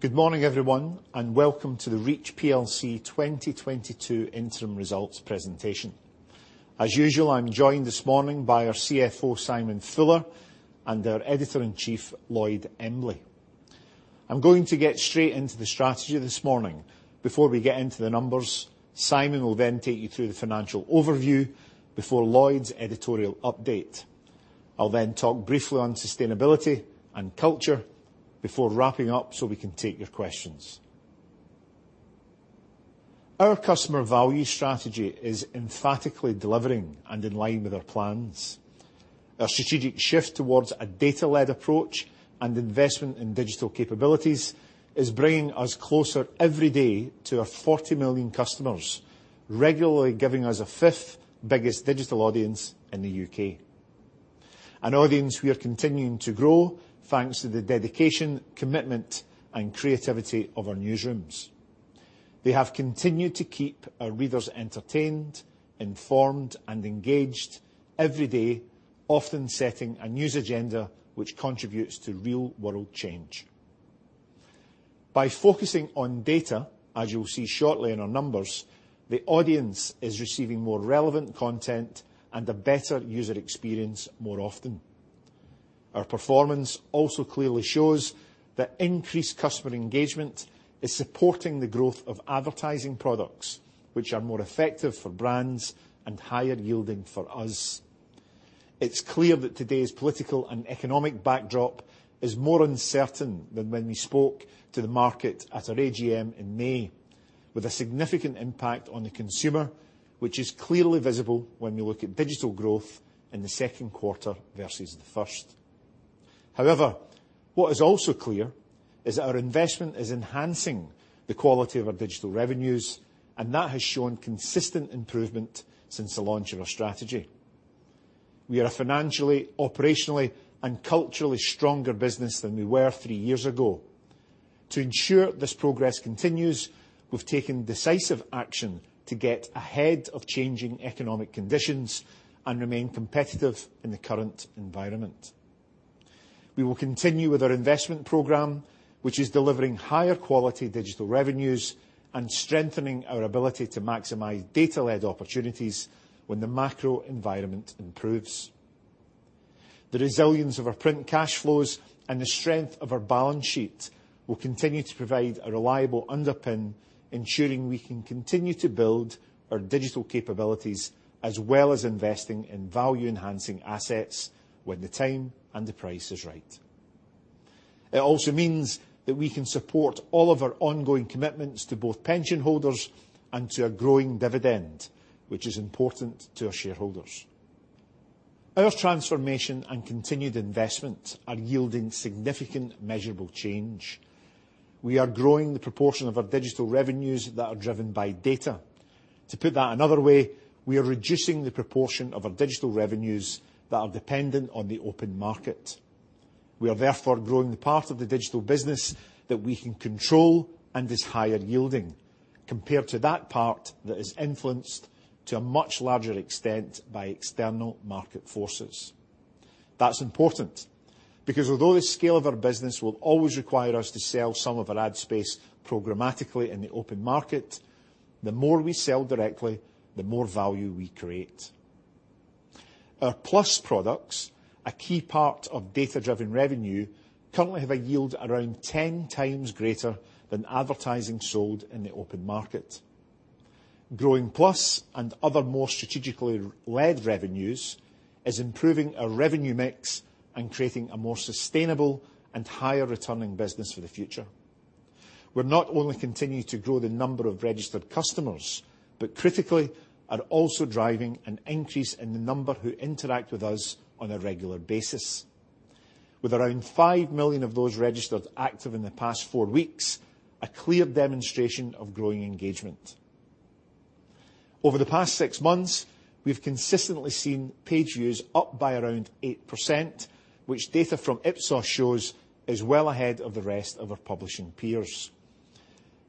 Good morning everyone, and welcome to the Reach plc 2022 interim results presentation. As usual, I'm joined this morning by our CFO, Simon Fuller, and our Editor-In-Chief, Lloyd Embley. I'm going to get straight into the strategy this morning before we get into the numbers. Simon will then take you through the financial overview before Lloyd's editorial update. I'll then talk briefly on sustainability and culture before wrapping up so we can take your questions. Our customer value strategy is emphatically delivering and in line with our plans. Our strategic shift towards a data-led approach and investment in digital capabilities is bringing us closer every day to our 40 million customers, regularly giving us a fifth biggest digital audience in the U.K. An audience we are continuing to grow thanks to the dedication, commitment, and creativity of our newsrooms. They have continued to keep our readers entertained, informed, and engaged every day, often setting a news agenda which contributes to real-world change. By focusing on data, as you'll see shortly in our numbers, the audience is receiving more relevant content and a better user experience more often. Our performance also clearly shows that increased customer engagement is supporting the growth of advertising products, which are more effective for brands and higher yielding for us. It's clear that today's political and economic backdrop is more uncertain than when we spoke to the market at our AGM in May, with a significant impact on the consumer, which is clearly visible when we look at digital growth in the second quarter versus the first. However, what is also clear is that our investment is enhancing the quality of our digital revenues, and that has shown consistent improvement since the launch of our strategy. We are a financially, operationally, and culturally stronger business than we were three years ago. To ensure this progress continues, we've taken decisive action to get ahead of changing economic conditions and remain competitive in the current environment. We will continue with our investment program, which is delivering higher quality digital revenues and strengthening our ability to maximize data-led opportunities when the macro environment improves. The resilience of our print cash flows and the strength of our balance sheet will continue to provide a reliable underpin, ensuring we can continue to build our digital capabilities as well as investing in value-enhancing assets when the time and the price is right. It also means that we can support all of our ongoing commitments to both pension holders and to our growing dividend, which is important to our shareholders. Our transformation and continued investment are yielding significant measurable change. We are growing the proportion of our digital revenues that are driven by data. To put that another way, we are reducing the proportion of our digital revenues that are dependent on the open market. We are therefore growing the part of the digital business that we can control and is higher yielding compared to that part that is influenced to a much larger extent by external market forces. That's important because although the scale of our business will always require us to sell some of our ad space programmatically in the open market, the more we sell directly, the more value we create. Our Plus products, a key part of data-driven revenue, currently have a yield around 10 times greater than advertising sold in the open market. Growing Plus and other more strategically led revenues is improving our revenue mix and creating a more sustainable and higher returning business for the future. We'll not only continue to grow the number of registered customers, but critically are also driving an increase in the number who interact with us on a regular basis. With around 5 million of those registered active in the past four weeks, a clear demonstration of growing engagement. Over the past six months, we've consistently seen page views up by around 8%, which data from Ipsos shows is well ahead of the rest of our publishing peers.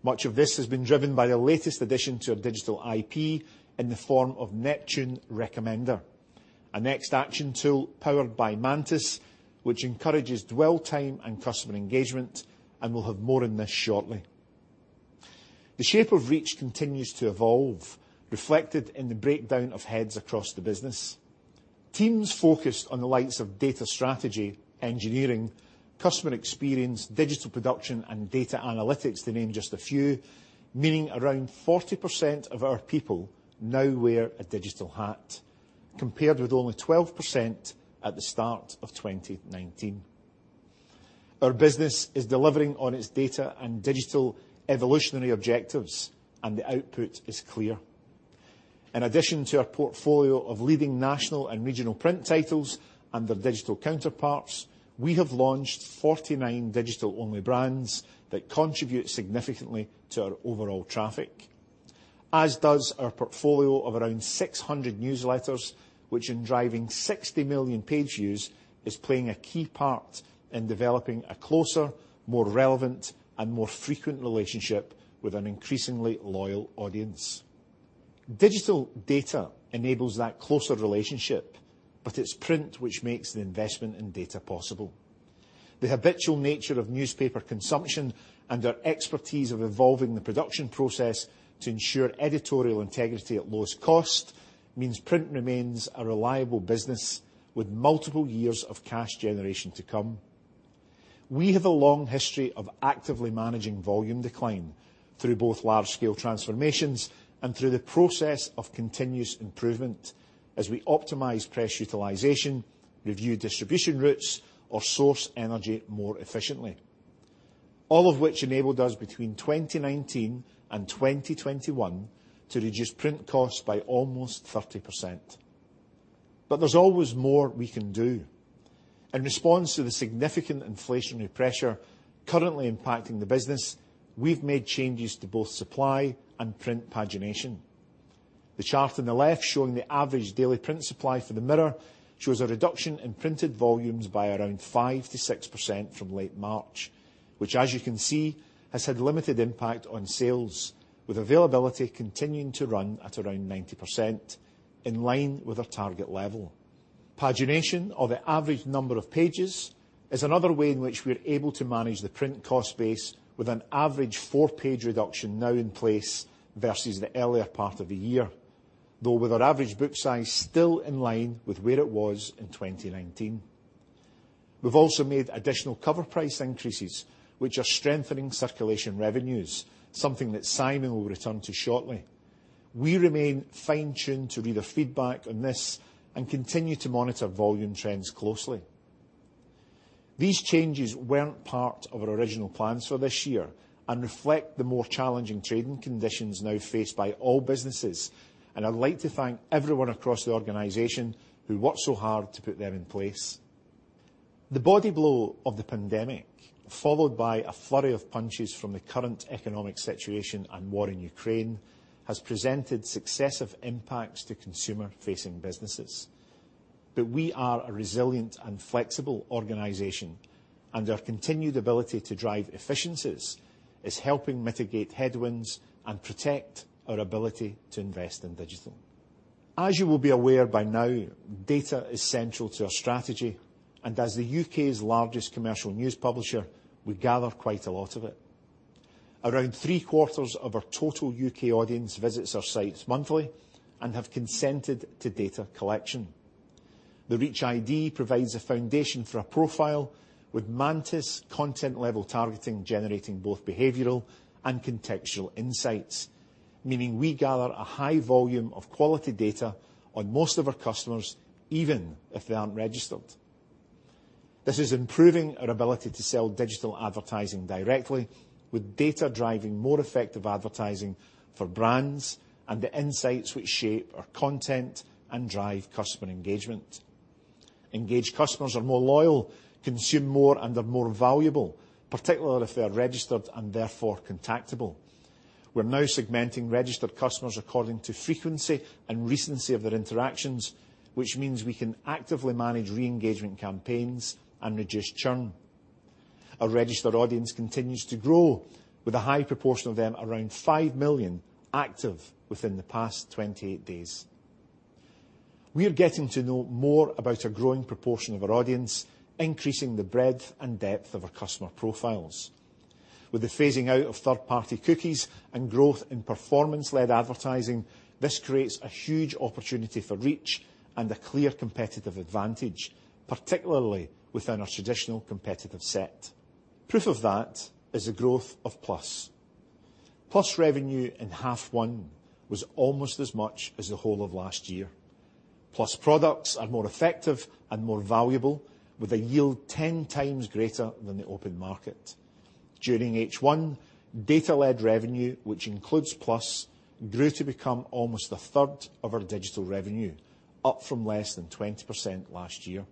Much of this has been driven by the latest addition to our digital IP in the form of Neptune Recommender, a next action tool powered by Mantis, which encourages dwell time and customer engagement, and we'll have more on this shortly. The shape of Reach continues to evolve, reflected in the breakdown of heads across the business. Teams focused on the likes of data strategy, engineering, customer experience, digital production, and data analytics, to name just a few, meaning around 40% of our people now wear a digital hat, compared with only 12% at the start of 2019. Our business is delivering on its data and digital evolutionary objectives, and the output is clear. In addition to our portfolio of leading national and regional print titles and their digital counterparts, we have launched 49 digital-only brands that contribute significantly to our overall traffic, as does our portfolio of around 600 newsletters, which in driving 60 million page views is playing a key part in developing a closer, more relevant, and more frequent relationship with an increasingly loyal audience. Digital data enables that closer relationship, but it's print which makes the investment in data possible. The habitual nature of newspaper consumption and our expertise of evolving the production process to ensure editorial integrity at lowest cost means print remains a reliable business with multiple years of cash generation to come. We have a long history of actively managing volume decline through both large-scale transformations and through the process of continuous improvement as we optimize press utilization, review distribution routes or source energy more efficiently. All of which enabled us between 2019 and 2021 to reduce print costs by almost 30%. There's always more we can do. In response to the significant inflationary pressure currently impacting the business, we've made changes to both supply and print pagination. The chart on the left showing the average daily print supply for The Mirror shows a reduction in printed volumes by around 5%-6% from late March, which as you can see, has had limited impact on sales, with availability continuing to run at around 90% in line with our target level. Pagination or the average number of pages is another way in which we're able to manage the print cost base with an average four-page reduction now in place versus the earlier part of the year. Though with our average book size still in line with where it was in 2019. We've also made additional cover price increases, which are strengthening circulation revenues, something that Simon will return to shortly. We remain fine-tuned to reader feedback on this and continue to monitor volume trends closely. These changes weren't part of our original plans for this year and reflect the more challenging trading conditions now faced by all businesses, and I'd like to thank everyone across the organization who worked so hard to put them in place. The body blow of the pandemic, followed by a flurry of punches from the current economic situation and war in Ukraine, has presented successive impacts to consumer-facing businesses. We are a resilient and flexible organization, and our continued ability to drive efficiencies is helping mitigate headwinds and protect our ability to invest in digital. As you will be aware by now, data is central to our strategy, and as the U.K.'s largest commercial news publisher, we gather quite a lot of it. Around three-quarters of our total U.K. audience visits our sites monthly and have consented to data collection. The Reach ID provides a foundation for a profile with Mantis content-level targeting generating both behavioral and contextual insights, meaning we gather a high volume of quality data on most of our customers, even if they aren't registered. This is improving our ability to sell digital advertising directly with data driving more effective advertising for brands and the insights which shape our content and drive customer engagement. Engaged customers are more loyal, consume more, and are more valuable, particularly if they are registered and therefore contactable. We're now segmenting registered customers according to frequency and recency of their interactions, which means we can actively manage re-engagement campaigns and reduce churn. Our registered audience continues to grow with a high proportion of them, around 5 million, active within the past 28 days. We are getting to know more about a growing proportion of our audience, increasing the breadth and depth of our customer profiles. With the phasing out of third-party cookies and growth in performance-led advertising, this creates a huge opportunity for Reach and a clear competitive advantage, particularly within our traditional competitive set. Proof of that is the growth of Plus. Plus revenue in half one was almost as much as the whole of last year. Plus products are more effective and more valuable with a yield 10 times greater than the open market. During H1, data-led revenue, which includes Plus, grew to become almost a third of our digital revenue, up from less than 20% last year.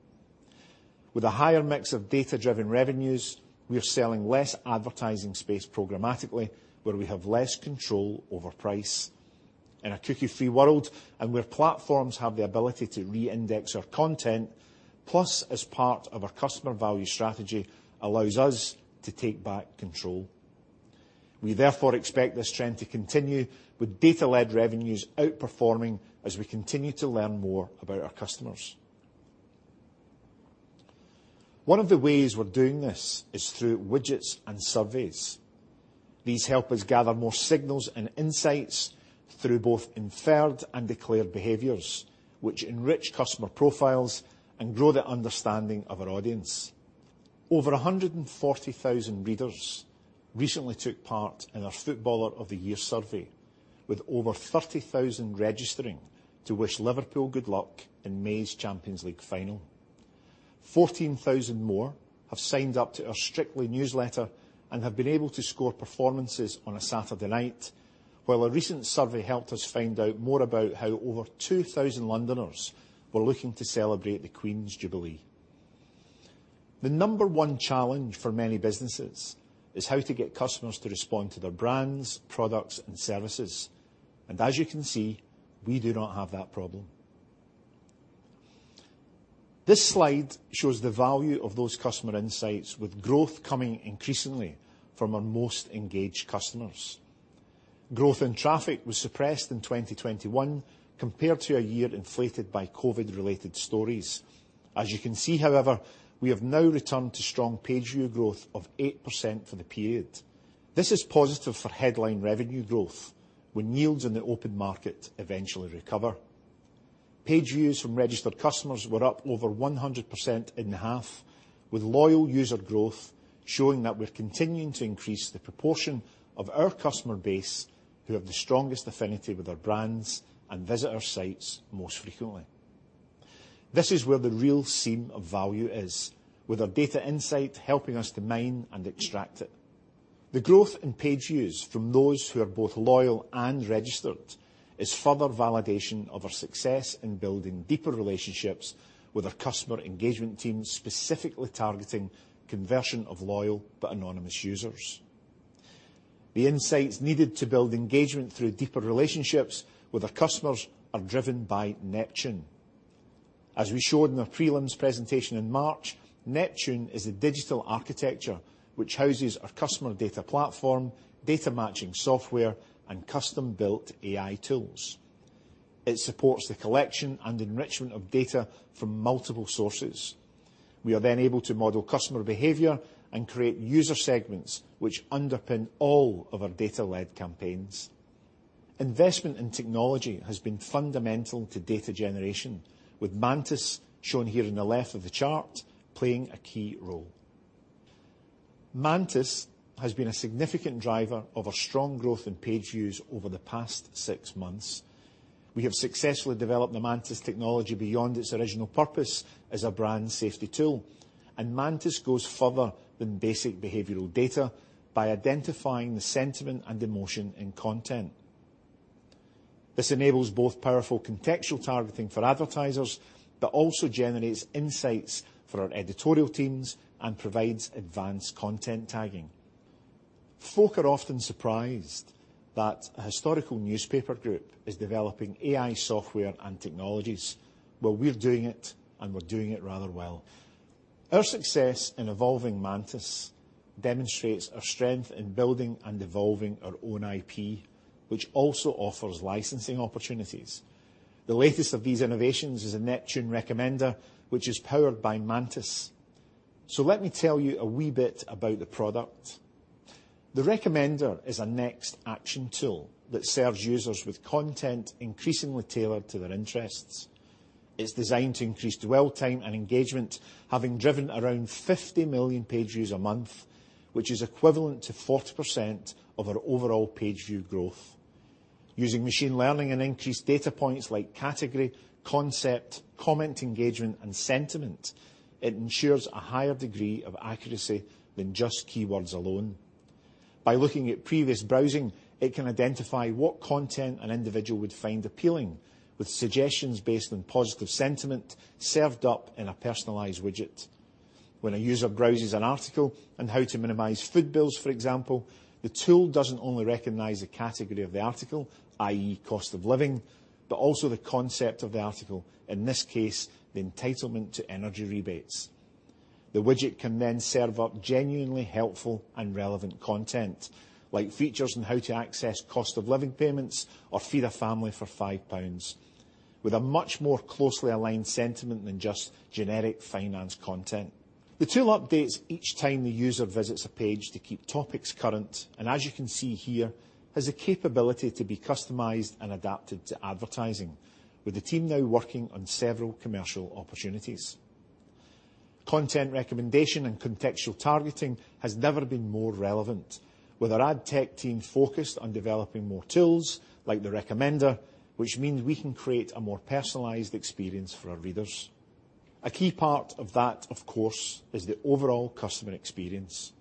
With a higher mix of data-driven revenues, we are selling less advertising space programmatically where we have less control over price. In a cookie-free world and where platforms have the ability to re-index our content, Plus as part of our customer value strategy, allows us to take back control. We therefore expect this trend to continue with data-led revenues outperforming as we continue to learn more about our customers. One of the ways we're doing this is through widgets and surveys. These help us gather more signals and insights through both inferred and declared behaviors, which enrich customer profiles and grow the understanding of our audience. Over 140,000 readers recently took part in our Footballer of the Year survey, with over 30,000 registering to wish Liverpool good luck in May's Champions League final. 14,000 more have signed up to our Strictly newsletter and have been able to score performances on a Saturday night. While a recent survey helped us find out more about how over 2,000 Londoners were looking to celebrate the Queen's Jubilee. The number one challenge for many businesses is how to get customers to respond to their brands, products, and services. As you can see, we do not have that problem. This slide shows the value of those customer insights with growth coming increasingly from our most engaged customers. Growth in traffic was suppressed in 2021 compared to a year inflated by COVID-related stories. As you can see, however, we have now returned to strong page view growth of 8% for the period. This is positive for headline revenue growth when yields in the open market eventually recover. Page views from registered customers were up over 100% in half, with loyal user growth showing that we're continuing to increase the proportion of our customer base who have the strongest affinity with our brands and visit our sites most frequently. This is where the real seam of value is, with our data insight helping us to mine and extract it. The growth in page views from those who are both loyal and registered is further validation of our success in building deeper relationships with our customer engagement team, specifically targeting conversion of loyal but anonymous users. The insights needed to build engagement through deeper relationships with our customers are driven by Neptune. As we showed in our prelims presentation in March, Neptune is a digital architecture which houses our customer data platform, data matching software, and custom-built AI tools. It supports the collection and enrichment of data from multiple sources. We are then able to model customer behavior and create user segments which underpin all of our data-led campaigns. Investment in technology has been fundamental to data generation, with Mantis shown here on the left of the chart playing a key role. Mantis has been a significant driver of our strong growth in page views over the past six months. We have successfully developed the Mantis technology beyond its original purpose as a brand safety tool, and Mantis goes further than basic behavioral data by identifying the sentiment and emotion in content. This enables both powerful contextual targeting for advertisers, but also generates insights for our editorial teams and provides advanced content tagging. Folks are often surprised that a historical newspaper group is developing AI software and technologies. Well, we're doing it, and we're doing it rather well. Our success in evolving Mantis demonstrates our strength in building and evolving our own IP, which also offers licensing opportunities. The latest of these innovations is a Neptune Recommender, which is powered by Mantis. Let me tell you a wee bit about the product. The Recommender is a next action tool that serves users with content increasingly tailored to their interests. It's designed to increase dwell time and engagement, having driven around 50 million page views a month, which is equivalent to 40% of our overall page view growth. Using machine learning and increased data points like category, concept, comment engagement, and sentiment, it ensures a higher degree of accuracy than just keywords alone. By looking at previous browsing, it can identify what content an individual would find appealing, with suggestions based on positive sentiment served up in a personalized widget. When a user browses an article on how to minimize food bills, for example, the tool doesn't only recognize the category of the article, i.e., cost of living, but also the concept of the article, in this case, the entitlement to energy rebates. The widget can then serve up genuinely helpful and relevant content, like features on how to access cost of living payments or feed a family for 5 pounds, with a much more closely aligned sentiment than just generic finance content. The tool updates each time the user visits a page to keep topics current, and as you can see here, has the capability to be customized and adapted to advertising, with the team now working on several commercial opportunities. Content recommendation and contextual targeting has never been more relevant. With our ad tech team focused on developing more tools like the Recommender, which means we can create a more personalized experience for our readers. A key part of that, of course, is the overall customer experience.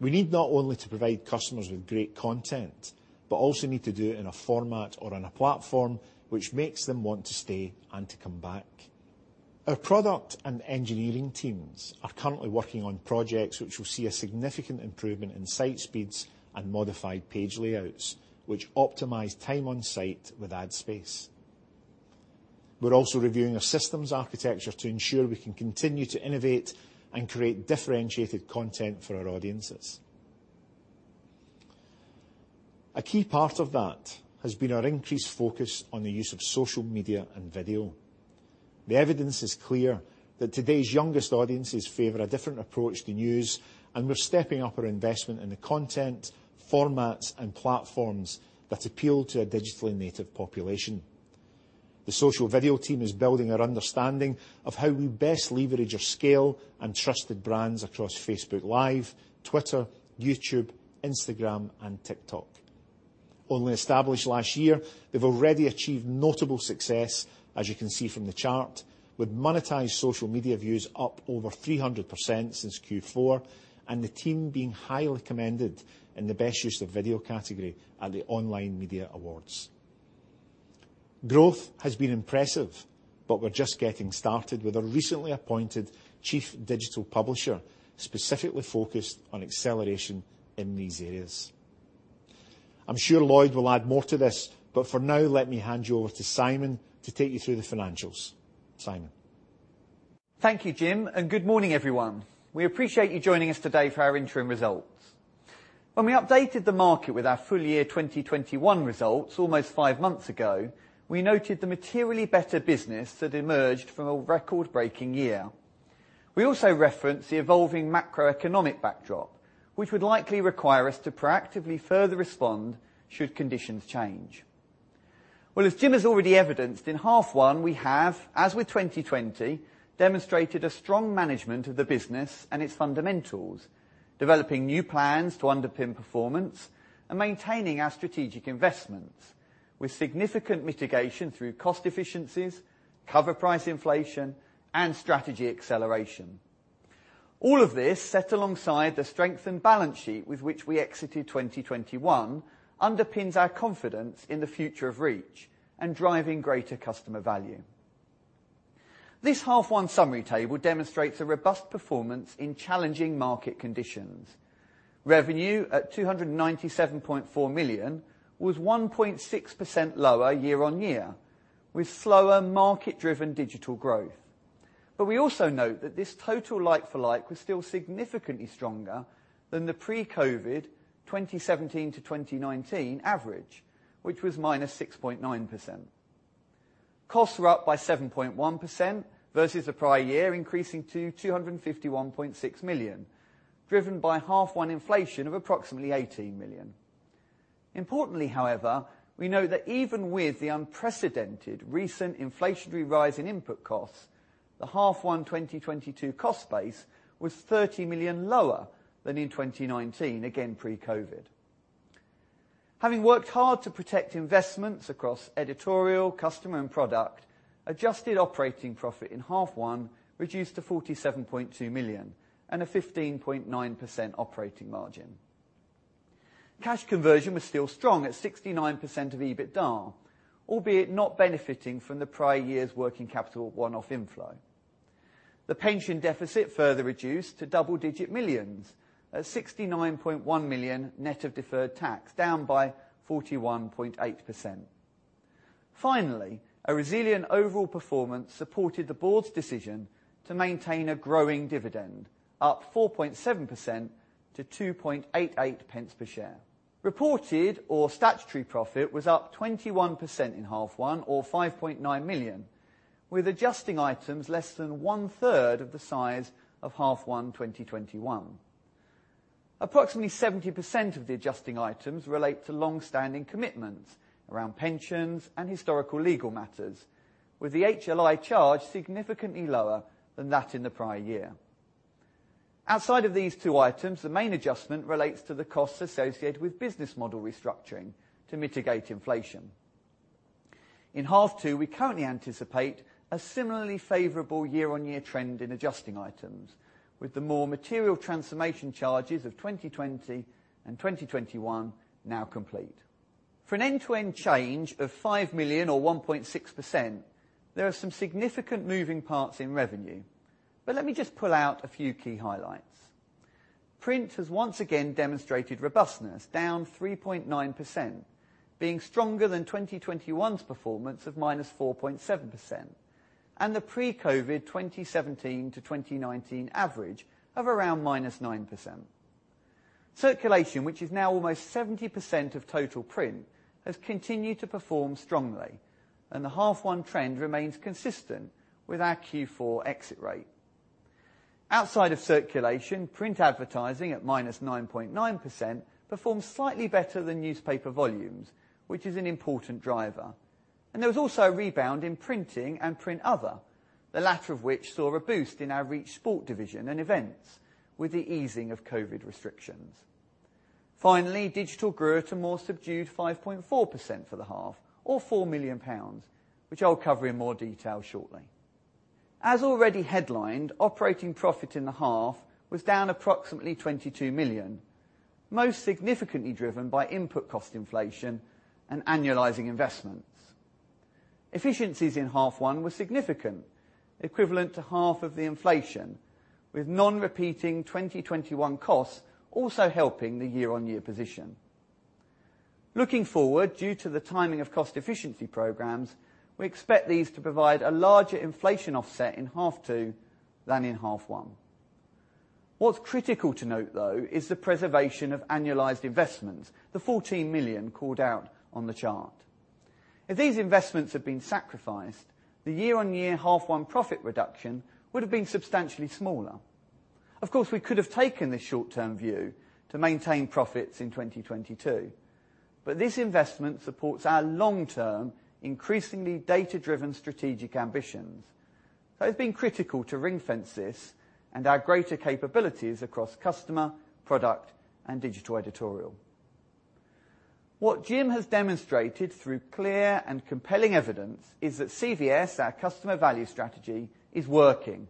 We need not only to provide customers with great content, but also need to do it in a format or on a platform which makes them want to stay and to come back. Our product and engineering teams are currently working on projects which will see a significant improvement in site speeds and modified page layouts, which optimize time on site with ad space. We're also reviewing our systems architecture to ensure we can continue to innovate and create differentiated content for our audiences. A key part of that has been our increased focus on the use of social media and video. The evidence is clear that today's youngest audiences favor a different approach to news, and we're stepping up our investment in the content, formats, and platforms that appeal to a digitally native population. The social video team is building our understanding of how we best leverage our scale and trusted brands across Facebook Live, Twitter, YouTube, Instagram, and TikTok. Only established last year, they've already achieved notable success, as you can see from the chart, with monetized social media views up over 300% since Q4, and the team being highly commended in the best use of video category at the Online Media Awards. Growth has been impressive, but we're just getting started with a recently appointed Chief Digital Publisher, specifically focused on acceleration in these areas. I'm sure Lloyd will add more to this, but for now, let me hand you over to Simon to take you through the financials. Simon. Thank you Jim and good morning everyone. We appreciate you joining us today for our interim results. When we updated the market with our full year 2021 results almost five months ago, we noted the materially better business that emerged from a record-breaking year. We also referenced the evolving macroeconomic backdrop, which would likely require us to proactively further respond should conditions change. Well, as Jim has already evidenced, in half one, we have, as with 2020, demonstrated a strong management of the business and its fundamentals, developing new plans to underpin performance and maintaining our strategic investments with significant mitigation through cost efficiencies, cover price inflation, and strategy acceleration. All of this set alongside the strengthened balance sheet with which we exited 2021 underpins our confidence in the future of Reach and driving greater customer value. This half one summary table demonstrates a robust performance in challenging market conditions. Revenue at 297.4 million was 1.6% lower year-on-year, with slower market-driven digital growth. We also note that this total like-for-like was still significantly stronger than the pre-COVID 2017-2019 average, which was -6.9%. Costs were up by 7.1% versus the prior year, increasing to 251.6 million, driven by half one inflation of approximately 18 million. Importantly, however, we know that even with the unprecedented recent inflationary rise in input costs, the half one 2022 cost base was 30 million lower than in 2019, again, pre-COVID. Having worked hard to protect investments across editorial, customer, and product, adjusted operating profit in half one reduced to 47.2 million and a 15.9% operating margin. Cash conversion was still strong at 69% of EBITDA, albeit not benefiting from the prior year's working capital one-off inflow. The pension deficit further reduced to double-digit millions at 69.1 million net of deferred tax, down by 41.8%. Finally, a resilient overall performance supported the board's decision to maintain a growing dividend, up 4.7% to 2.88 pence per share. Reported or statutory profit was up 21% in H1 to 5.9 million, with adjusting items less than 1/3 of the size of H1 2021. Approximately 70% of the adjusting items relate to long-standing commitments around pensions and historical legal matters, with the HLI charge significantly lower than that in the prior year. Outside of these two items, the main adjustment relates to the costs associated with business model restructuring to mitigate inflation. In H2, we currently anticipate a similarly favorable year-on-year trend in adjusting items with the more material transformation charges of 2020 and 2021 now complete. For an end-to-end change of 5 million or 1.6%, there are some significant moving parts in revenue, but let me just pull out a few key highlights. Print has once again demonstrated robustness, down 3.9%, being stronger than 2021's performance of -4.7% and the pre-COVID 2017-2019 average of around -9%. Circulation, which is now almost 70% of total print, has continued to perform strongly and the H1 trend remains consistent with our Q4 exit rate. Outside of circulation, print advertising at -9.9% performed slightly better than newspaper volumes, which is an important driver. There was also a rebound in printing and print & other, the latter of which saw a boost in our Reach Sport division and events with the easing of COVID restrictions. Finally, digital grew at a more subdued 5.4% for the half or 4 million pounds, which I'll cover in more detail shortly. As already headlined, operating profit in the half was down approximately 22 million, most significantly driven by input cost inflation and annualizing investments. Efficiencies in half one were significant, equivalent to half of the inflation, with non-repeating 2021 costs also helping the year-on-year position. Looking forward, due to the timing of cost efficiency programs, we expect these to provide a larger inflation offset in half two than in half one. What's critical to note, though, is the preservation of annualized investments, the 14 million called out on the chart. If these investments had been sacrificed, the year-on-year H1 profit reduction would have been substantially smaller. Of course, we could have taken this short-term view to maintain profits in 2022, but this investment supports our long-term, increasingly data-driven strategic ambitions. It's been critical to ring-fence this and our greater capabilities across customer, product, and digital editorial. What Jim has demonstrated through clear and compelling evidence is that CVS, our customer value strategy, is working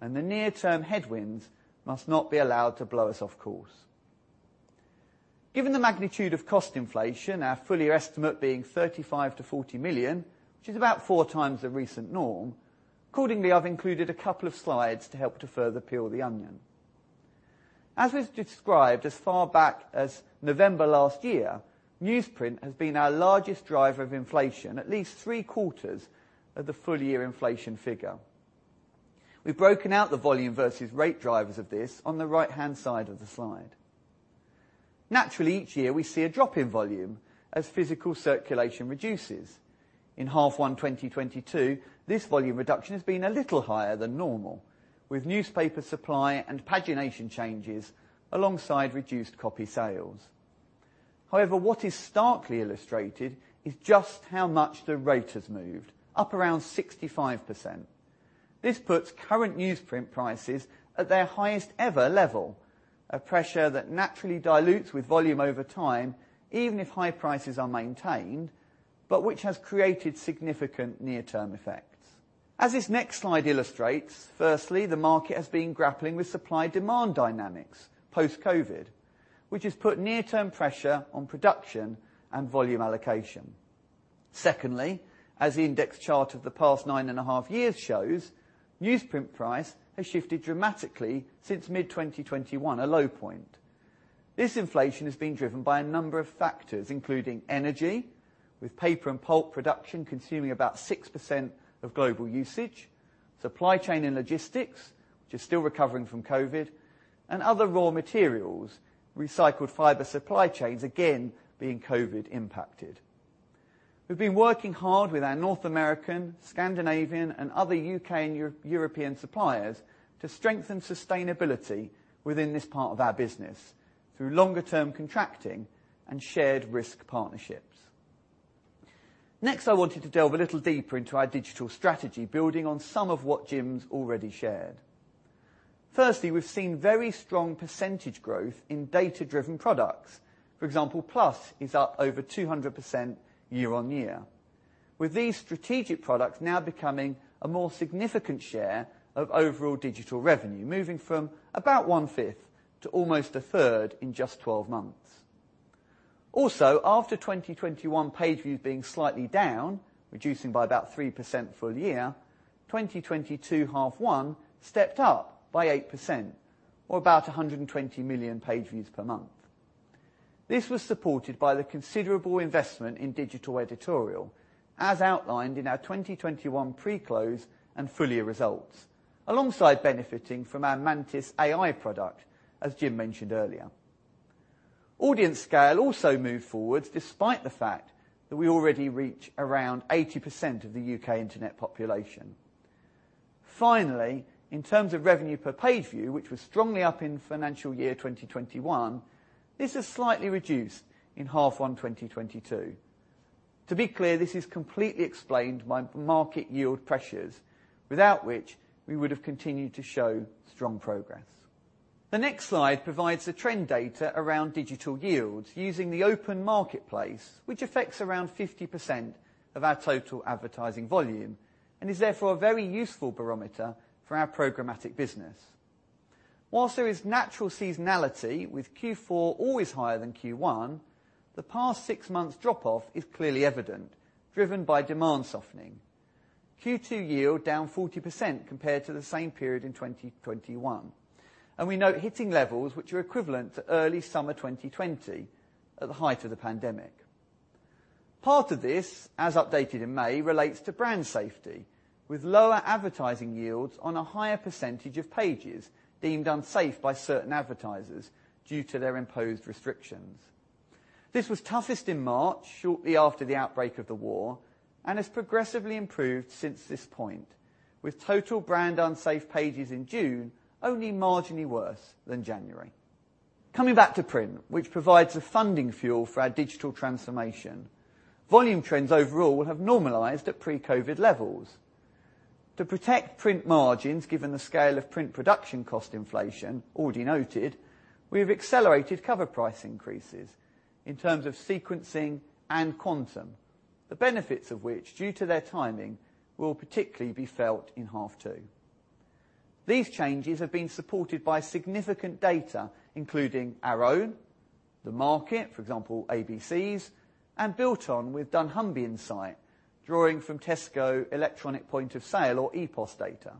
and the near-term headwinds must not be allowed to blow us off course. Given the magnitude of cost inflation, our full year estimate being 35 million-40 million, which is about four times the recent norm, accordingly, I've included a couple of slides to help to further peel the onion. As was described as far back as November last year, newsprint has been our largest driver of inflation, at least three quarters of the full year inflation figure. We've broken out the volume versus rate drivers of this on the right-hand side of the slide. Naturally, each year we see a drop in volume as physical circulation reduces. In half one 2022, this volume reduction has been a little higher than normal, with newspaper supply and pagination changes alongside reduced copy sales. However, what is starkly illustrated is just how much the rate has moved, up around 65%. This puts current newsprint prices at their highest ever level, a pressure that naturally dilutes with volume over time even if high prices are maintained, but which has created significant near-term effects. As this next slide illustrates, firstly, the market has been grappling with supply-demand dynamics post-COVID, which has put near-term pressure on production and volume allocation. Secondly, as the index chart of the past 9.5 years shows, newsprint price has shifted dramatically since mid-2021, a low point. This inflation has been driven by a number of factors, including energy, with paper and pulp production consuming about 6% of global usage, supply chain and logistics, which is still recovering from COVID, and other raw materials, recycled fiber supply chains, again, being COVID impacted. We've been working hard with our North American, Scandinavian, and other U.K. and European suppliers to strengthen sustainability within this part of our business through longer-term contracting and shared risk partnerships. Next, I wanted to delve a little deeper into our digital strategy, building on some of what Jim's already shared. Firstly, we've seen very strong percentage growth in data-driven products. For example, Plus is up over 200% year-on-year. With these strategic products now becoming a more significant share of overall digital revenue, moving from about 1/5 to almost 1/3 in just 12 months. Also, after 2021 page views being slightly down, reducing by about 3% full year, 2022 H1 stepped up by 8% or about 120 million page views per month. This was supported by the considerable investment in digital editorial as outlined in our 2021 pre-close and full year results, alongside benefiting from our Mantis AI product, as Jim mentioned earlier. Audience scale also moved forward despite the fact that we already reach around 80% of the U.K. internet population. Finally, in terms of revenue per page view, which was strongly up in financial year 2021, this has slightly reduced in H1 2022. To be clear, this is completely explained by macro-market yield pressures, without which we would have continued to show strong progress. The next slide provides the trend data around digital yields using the open marketplace, which affects around 50% of our total advertising volume and is therefore a very useful barometer for our programmatic business. While there is natural seasonality with Q4 always higher than Q1, the past six months drop off is clearly evident, driven by demand softening. Q2 yield down 40% compared to the same period in 2021. We note hitting levels which are equivalent to early summer 2020, at the height of the pandemic. Part of this, as updated in May, relates to brand safety, with lower advertising yields on a higher percentage of pages deemed unsafe by certain advertisers due to their imposed restrictions. This was toughest in March, shortly after the outbreak of the war, and has progressively improved since this point, with total brand unsafe pages in June only marginally worse than January. Coming back to print, which provides the funding fuel for our digital transformation, volume trends overall have normalized at pre-COVID levels. To protect print margins, given the scale of print production cost inflation already noted, we have accelerated cover price increases in terms of sequencing and quantum, the benefits of which, due to their timing, will particularly be felt in half two. These changes have been supported by significant data, including our own, the market, for example, ABCs, and built on with dunnhumby Insight, drawing from Tesco electronic point of sale or ePOS data.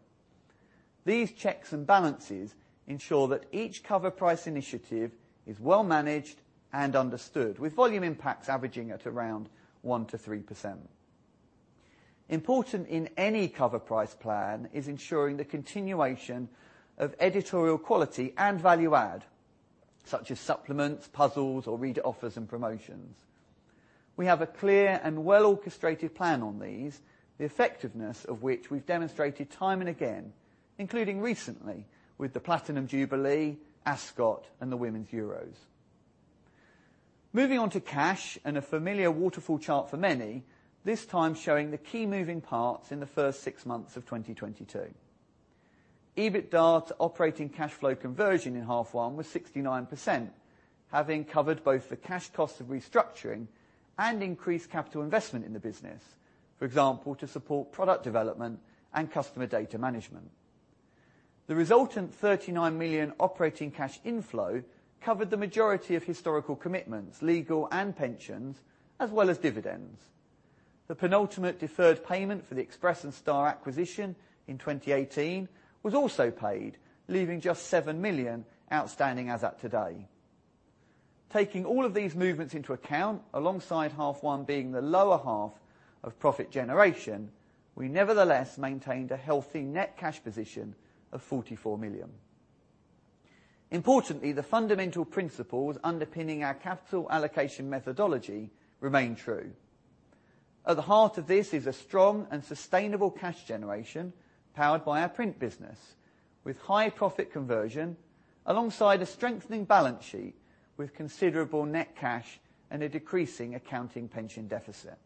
These checks and balances ensure that each cover price initiative is well managed and understood, with volume impacts averaging at around 1%-3%. Important in any cover price plan is ensuring the continuation of editorial quality and value add, such as supplements, puzzles, or reader offers and promotions. We have a clear and well-orchestrated plan on these, the effectiveness of which we've demonstrated time and again, including recently with the Platinum Jubilee, Ascot, and the Women's Euros. Moving on to cash and a familiar waterfall chart for many, this time showing the key moving parts in the first six months of 2022. EBITDA to operating cash flow conversion in half one was 69%, having covered both the cash costs of restructuring and increased capital investment in the business, for example, to support product development and customer data management. The resultant 39 million operating cash inflow covered the majority of historical commitments, legal and pensions, as well as dividends. The penultimate deferred payment for the Express & Star acquisition in 2018 was also paid, leaving just 7 million outstanding as at today. Taking all of these movements into account, alongside half one being the lower half of profit generation, we nevertheless maintained a healthy net cash position of 44 million. Importantly, the fundamental principles underpinning our capital allocation methodology remain true. At the heart of this is a strong and sustainable cash generation powered by our print business with high profit conversion alongside a strengthening balance sheet with considerable net cash and a decreasing accounting pension deficit.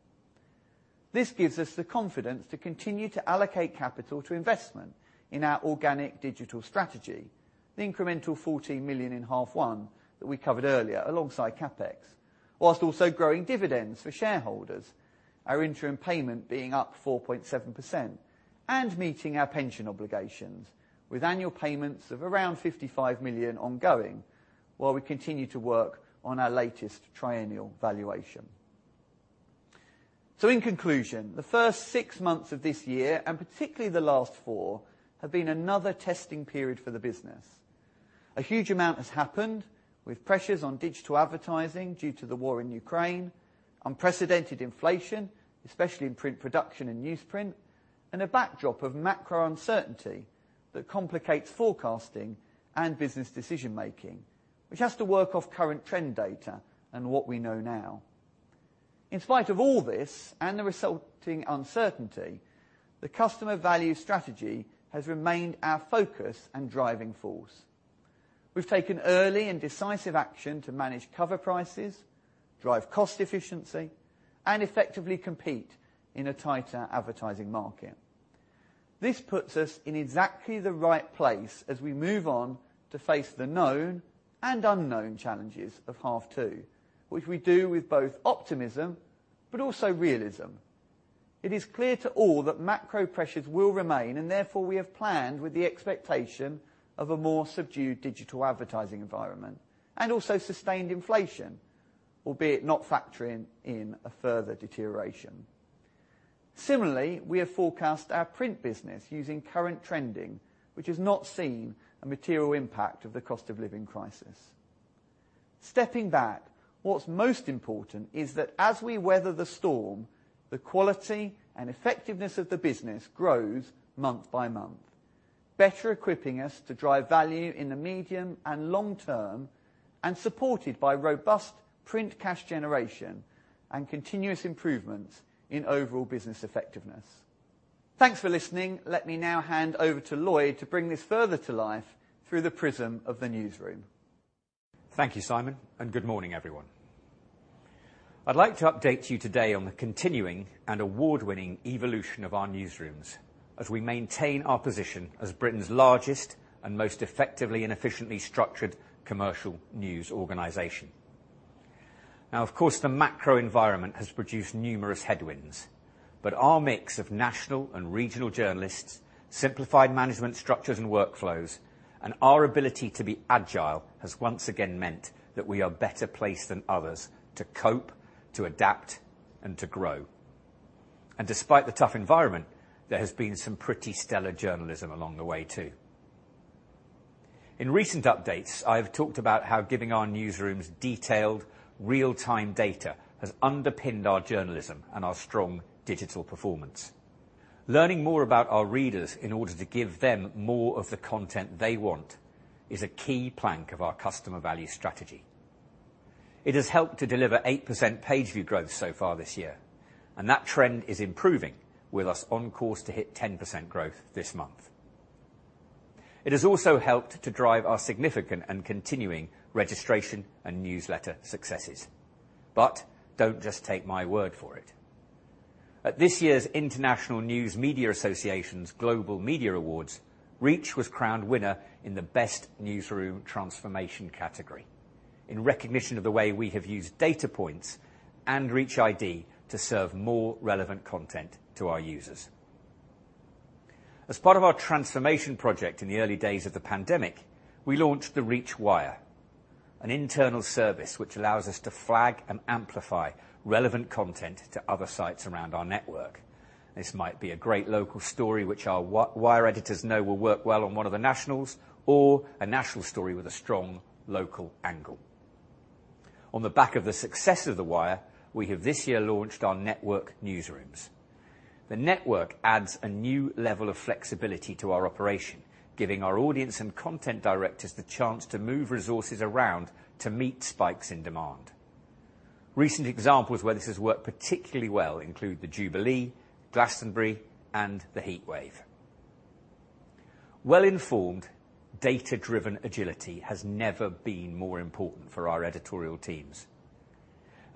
This gives us the confidence to continue to allocate capital to investment in our organic digital strategy, the incremental 14 million in half one that we covered earlier alongside CapEx, while also growing dividends for shareholders, our interim payment being up 4.7% and meeting our pension obligations with annual payments of around 55 million ongoing while we continue to work on our latest triennial valuation. In conclusion, the first six months of this year, and particularly the last four, have been another testing period for the business. A huge amount has happened with pressures on digital advertising due to the war in Ukraine, unprecedented inflation, especially in print production and newsprint, and a backdrop of macro uncertainty that complicates forecasting and business decision making, which has to work off current trend data and what we know now. In spite of all this and the resulting uncertainty, the customer value strategy has remained our focus and driving force. We've taken early and decisive action to manage cover prices, drive cost efficiency and effectively compete in a tighter advertising market. This puts us in exactly the right place as we move on to face the known and unknown challenges of half two, which we do with both optimism but also realism. It is clear to all that macro pressures will remain and therefore we have planned with the expectation of a more subdued digital advertising environment and also sustained inflation, albeit not factoring in a further deterioration. Similarly, we have forecast our print business using current trending, which has not seen a material impact of the cost of living crisis. Stepping back, what's most important is that as we weather the storm, the quality and effectiveness of the business grows month by month, better equipping us to drive value in the medium and long term, and supported by robust print cash generation and continuous improvements in overall business effectiveness. Thanks for listening. Let me now hand over to Lloyd to bring this further to life through the prism of the newsroom. Thank you Simon and good morning everyone. I'd like to update you today on the continuing and award-winning evolution of our newsrooms as we maintain our position as Britain's largest and most effectively and efficiently structured commercial news organization. Now, of course, the macro environment has produced numerous headwinds, but our mix of national and regional journalists, simplified management structures and workflows, and our ability to be agile has once again meant that we are better placed than others to cope, to adapt and to grow. Despite the tough environment, there has been some pretty stellar journalism along the way too. In recent updates, I have talked about how giving our newsrooms detailed real-time data has underpinned our journalism and our strong digital performance. Learning more about our readers in order to give them more of the content they want is a key plank of our customer value strategy. It has helped to deliver 8% page view growth so far this year, and that trend is improving with us on course to hit 10% growth this month. It has also helped to drive our significant and continuing registration and newsletter successes. Don't just take my word for it. At this year's International News Media Association's Global Media Awards, Reach was crowned winner in the Best Newsroom Transformation category in recognition of the way we have used data points and Reach ID to serve more relevant content to our users. As part of our transformation project in the early days of the pandemic, we launched the Reach Wire, an internal service which allows us to flag and amplify relevant content to other sites around our network. This might be a great local story which our Wire editors know will work well on one of the nationals or a national story with a strong local angle. On the back of the success of the Wire, we have this year launched our Network Newsrooms. The network adds a new level of flexibility to our operation, giving our audience and content directors the chance to move resources around to meet spikes in demand. Recent examples where this has worked particularly well include the Jubilee, Glastonbury and the heatwave. Well-informed, data-driven agility has never been more important for our editorial teams.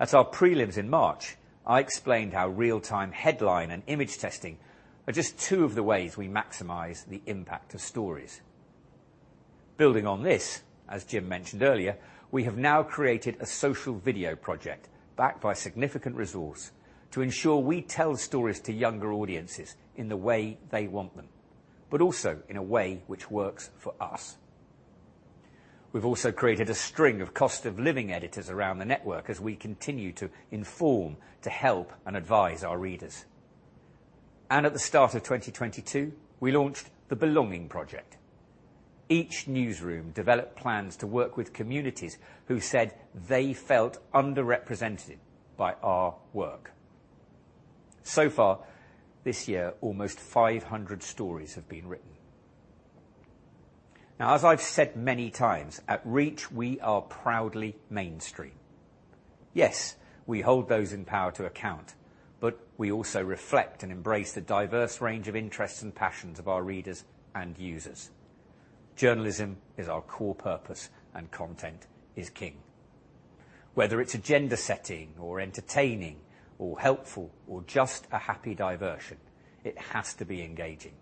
At our prelims in March, I explained how real-time headline and image testing are just two of the ways we maximize the impact of stories. Building on this, as Jim mentioned earlier, we have now created a social video project backed by significant resource to ensure we tell stories to younger audiences in the way they want them, but also in a way which works for us. We've also created a string of cost of living editors around the network as we continue to inform, to help, and advise our readers. At the start of 2022, we launched the Belonging Project. Each newsroom developed plans to work with communities who said they felt underrepresented by our work. So far this year, almost 500 stories have been written. Now, as I've said many times, at Reach, we are proudly mainstream. Yes, we hold those in power to account, but we also reflect and embrace the diverse range of interests and passions of our readers and users. Journalism is our core purpose and content is king. Whether it's agenda-setting or entertaining or helpful or just a happy diversion, it has to be engaging.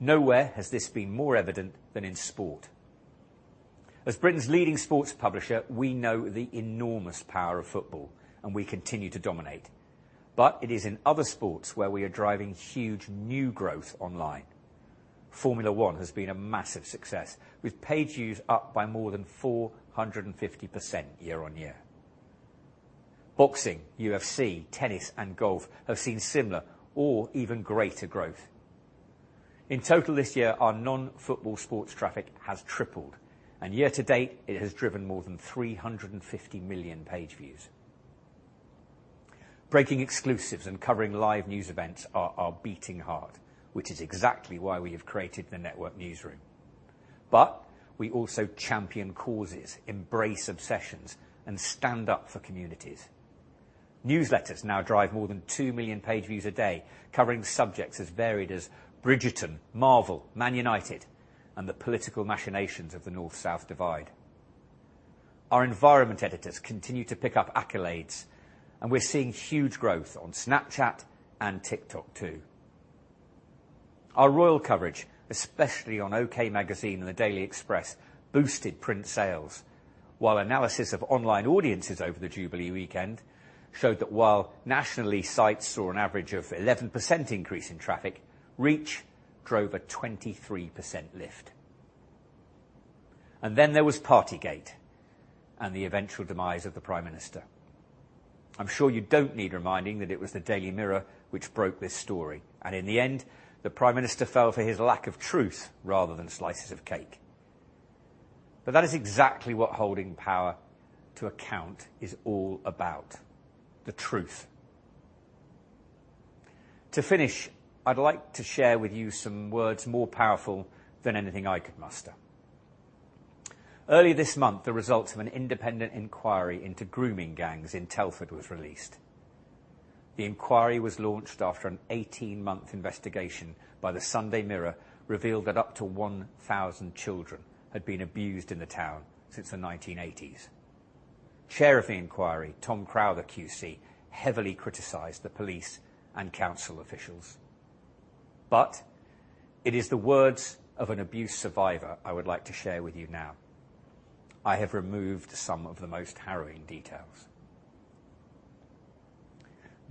Nowhere has this been more evident than in sport. As Britain's leading sports publisher, we know the enormous power of football, and we continue to dominate. It is in other sports where we are driving huge new growth online. Formula One has been a massive success with page views up by more than 450% year-on-year. Boxing, UFC, tennis, and golf have seen similar or even greater growth. In total this year, our non-football sports traffic has tripled, and year to date, it has driven more than 350 million page views. Breaking exclusives and covering live news events are our beating heart, which is exactly why we have created the Network Newsroom. We also champion causes, embrace obsessions, and stand up for communities. Newsletters now drive more than 2 million page views a day, covering subjects as varied as Bridgerton, Marvel, Man United, and the political machinations of the North-South divide. Our environment editors continue to pick up accolades, and we're seeing huge growth on Snapchat and TikTok too. Our royal coverage, especially on OK! Magazine and the Daily Express, boosted print sales, while analysis of online audiences over the Jubilee weekend showed that while nationally, sites saw an average of 11% increase in traffic, Reach drove a 23% lift. Then there was Partygate and the eventual demise of the Prime Minister. I'm sure you don't need reminding that it was the Daily Mirror which broke this story, and in the end, the Prime Minister fell for his lack of truth rather than slices of cake. That is exactly what holding power to account is all about, the truth. To finish, I'd like to share with you some words more powerful than anything I could muster. Early this month, the results of an independent inquiry into grooming gangs in Telford was released. The inquiry was launched after an 18-month investigation by the Sunday Mirror revealed that up to 1,000 children had been abused in the town since the 1980s. Chair of the inquiry, Tom Crowther QC, heavily criticized the police and council officials, but it is the words of an abuse survivor I would like to share with you now. I have removed some of the most harrowing details.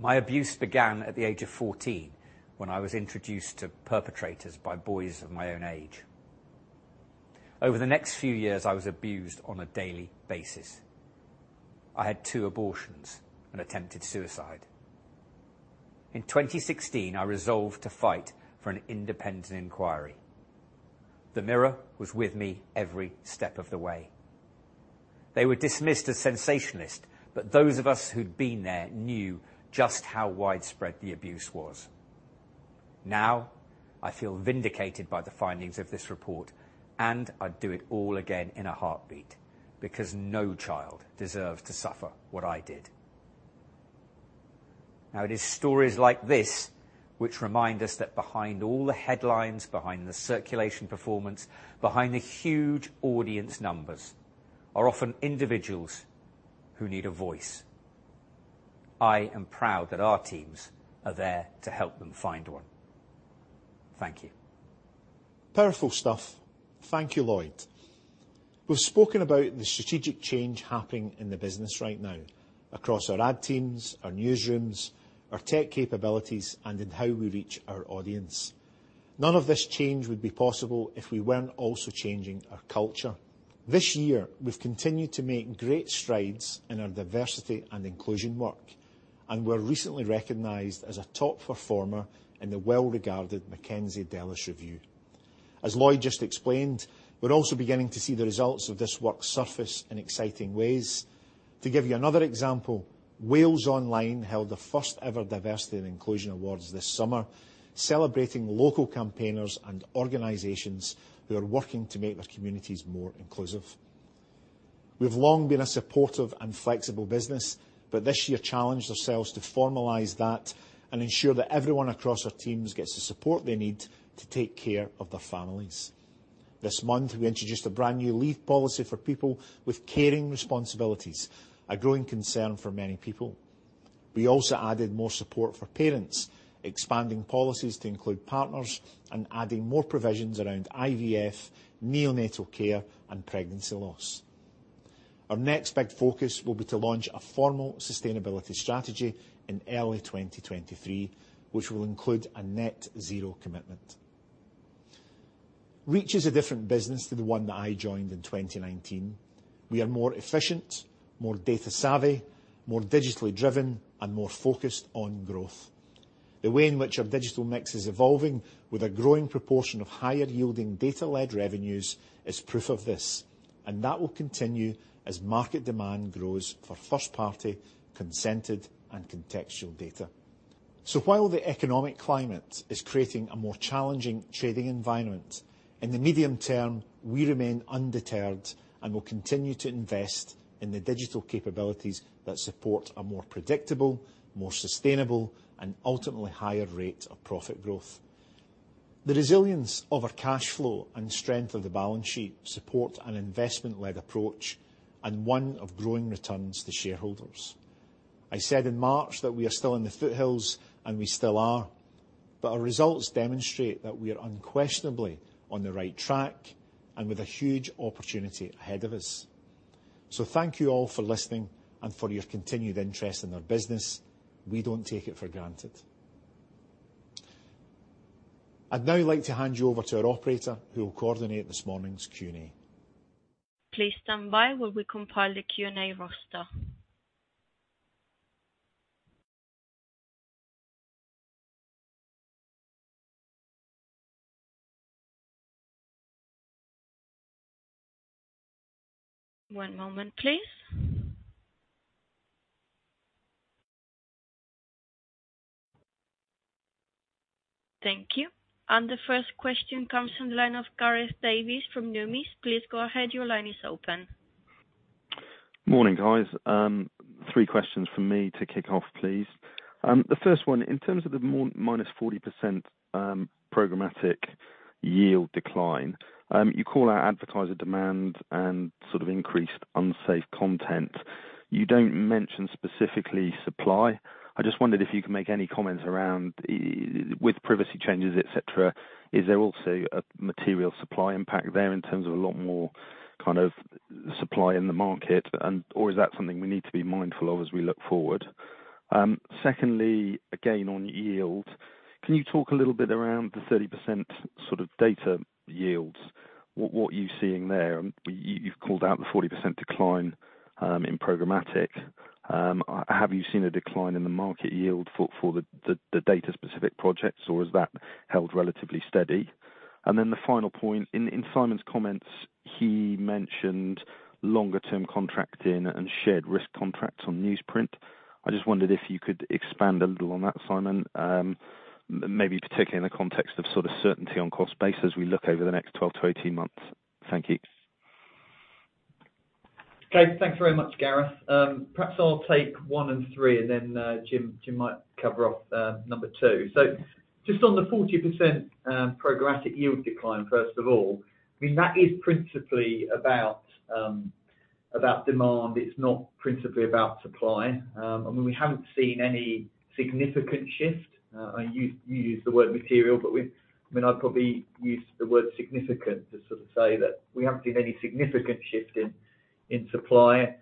"My abuse began at the age of 14 when I was introduced to perpetrators by boys of my own age. Over the next few years, I was abused on a daily basis. I had two abortions and attempted suicide. In 2016, I resolved to fight for an independent inquiry. The Mirror was with me every step of the way. They were dismissed as sensationalist, but those of us who'd been there knew just how widespread the abuse was. Now I feel vindicated by the findings of this report, and I'd do it all again in a heartbeat because no child deserves to suffer what I did. Now, it is stories like this which remind us that behind all the headlines, behind the circulation performance, behind the huge audience numbers are often individuals who need a voice. I am proud that our teams are there to help them find one. Thank you. Powerful stuff. Thank you Lloyd. We've spoken about the strategic change happening in the business right now across our ad teams, our newsrooms, our tech capabilities, and in how we reach our audience. None of this change would be possible if we weren't also changing our culture. This year we've continued to make great strides in our diversity and inclusion work, and we're recently recognized as a top performer in the well-regarded McKenzie-Delis review. As Lloyd just explained, we're also beginning to see the results of this work surface in exciting ways. To give you another example, WalesOnline held the first ever Diversity and Inclusion Awards this summer, celebrating local campaigners and organizations who are working to make their communities more inclusive. We've long been a supportive and flexible business, but this year challenged ourselves to formalize that and ensure that everyone across our teams gets the support they need to take care of their families. This month, we introduced a brand-new leave policy for people with caring responsibilities, a growing concern for many people. We also added more support for parents, expanding policies to include partners and adding more provisions around IVF, neonatal care, and pregnancy loss. Our next big focus will be to launch a formal sustainability strategy in early 2023, which will include a net zero commitment. Reach is a different business to the one that I joined in 2019. We are more efficient, more data-savvy, more digitally driven, and more focused on growth. The way in which our digital mix is evolving with a growing proportion of higher yielding data-led revenues is proof of this, and that will continue as market demand grows for first party consented and contextual data. While the economic climate is creating a more challenging trading environment, in the medium term, we remain undeterred and will continue to invest in the digital capabilities that support a more predictable, more sustainable, and ultimately higher rate of profit growth. The resilience of our cash flow and strength of the balance sheet support an investment-led approach and one of growing returns to shareholders. I said in March that we are still in the foothills, and we still are, but our results demonstrate that we are unquestionably on the right track and with a huge opportunity ahead of us. Thank you all for listening and for your continued interest in our business. We don't take it for granted. I'd now like to hand you over to our operator, who will coordinate this morning's Q&A. Please stand by while we compile the Q&A roster. One moment, please. Thank you. The first question comes from the line of Gareth Davies from Numis. Please go ahead. Your line is open. Morning, guys. Three questions from me to kick off, please. The first one, in terms of the -40% programmatic yield decline, you call out advertiser demand and sort of increased unsafe content. You don't mention specifically supply. I just wondered if you can make any comments around with privacy changes, et cetera. Is there also a material supply impact there in terms of a lot more kind of supply in the market and or is that something we need to be mindful of as we look forward? Secondly, again, on yield, can you talk a little bit around the 30% sort of data yields, what you're seeing there? You've called out the 40% decline in programmatic. Have you seen a decline in the market yield for the data specific projects, or has that held relatively steady? The final point, in Simon's comments, he mentioned longer term contracting and shared risk contracts on newsprint. I just wondered if you could expand a little on that, Simon, maybe particularly in the context of sort of certainty on cost base as we look over the next 12-18 months. Thank you. Okay. Thanks very much Gareth. Perhaps I'll take one and three, and then Jim Mullen might cover off number two. Just on the 40% programmatic yield decline, first of all, I mean, that is principally about demand. It's not principally about supply. We haven't seen any significant shift. You used the word material, but I mean, I'd probably use the word significant to sort of say that we haven't seen any significant shift in supply.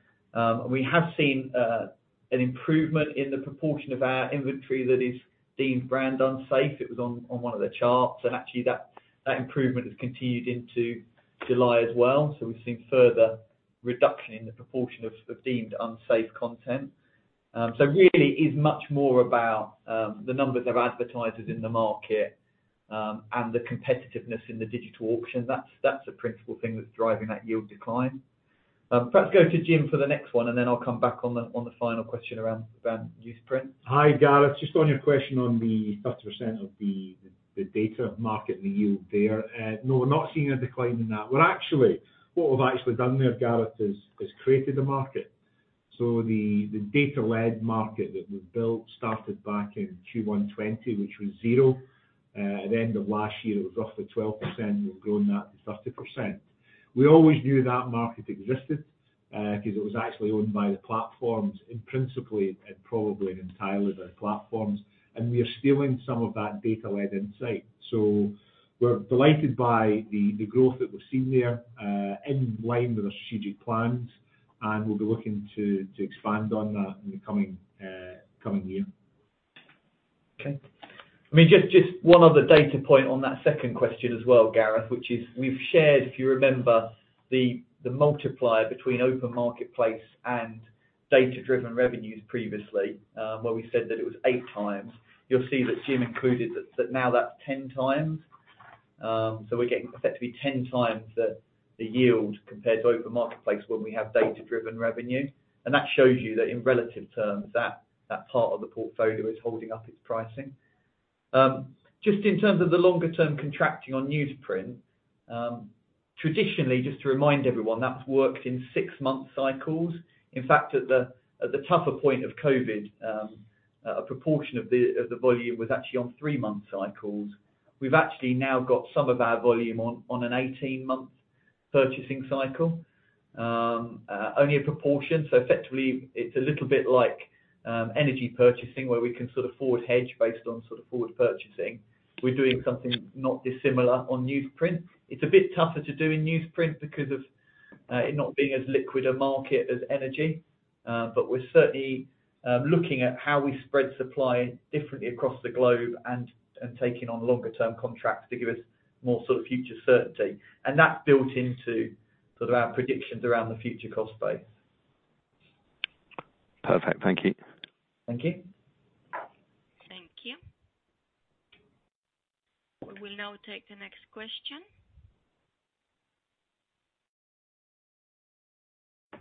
We have seen an improvement in the proportion of our inventory that is deemed brand unsafe. It was on one of the charts, and actually that improvement has continued into July as well. We've seen further reduction in the proportion of deemed unsafe content. Really is much more about the numbers of advertisers in the market and the competitiveness in the digital auction. That's the principal thing that's driving that yield decline. Perhaps go to Jim for the next one, and then I'll come back on the final question around newsprint. Hi, Gareth. Just on your question on the 30% of the data market and the yield there. No, we're not seeing a decline in that. What we've actually done there, Gareth, is created a market. The data-led market that we've built started back in Q1 2020, which was 0. At the end of last year, it was roughly 12%. We've grown that to 30%. We always knew that market existed, because it was actually owned by the platforms, and principally, and probably entirely by platforms, and we are stealing some of that data-led insight. We're delighted by the growth that we've seen there, in line with our strategic plans, and we'll be looking to expand on that in the coming year. Okay. I mean, just one other data point on that second question as well, Gareth, which is we've shared, if you remember, the multiplier between open marketplace and data-driven revenues previously, where we said that it was 8x. You'll see that Jim included that now that's 10x. So we're getting effectively 10x the yield compared to open marketplace when we have data-driven revenue. That shows you that in relative terms, that part of the portfolio is holding up its pricing. Just in terms of the longer term contracting on newsprint, traditionally, just to remind everyone, that's worked in six-month cycles. In fact, at the tougher point of COVID, a proportion of the volume was actually on three-month cycles. We've actually now got some of our volume on an 18-month purchasing cycle, only a proportion. Effectively, it's a little bit like energy purchasing, where we can sort of forward hedge based on sort of forward purchasing. We're doing something not dissimilar on newsprint. It's a bit tougher to do in newsprint because of it not being as liquid a market as energy. We're certainly looking at how we spread supply differently across the globe and taking on longer term contracts to give us more sort of future certainty. That's built into sort of our predictions around the future cost base. Perfect. Thank you. Thank you. Thank you. We will now take the next question.